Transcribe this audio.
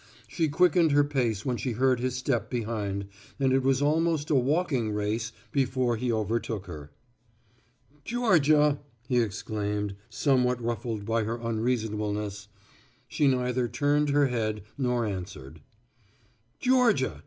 She quickened her pace when she heard his step behind and it was almost a walking race before he overtook her. "Georgia," he exclaimed, somewhat ruffled by her unreasonableness. She neither turned her head nor answered. "Georgia!"